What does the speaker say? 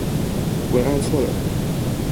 文案錯了